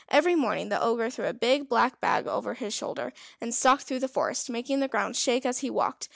Every morning the Ogre threw a big black bag over his shoulder, and stalked through the forest, making the ground shake as he walked.